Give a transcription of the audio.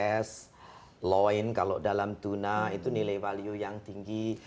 yaitu frozen fresh loin kalau dalam tuna itu nilai value yang tinggi